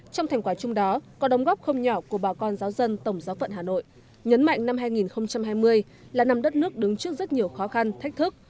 trong thành quả chung đó có đồng góp không nhỏ của bà con giáo dân tổng giáo phận hà nội nhấn mạnh năm hai nghìn hai mươi là năm đất nước đứng trước rất nhiều khó khăn thách thức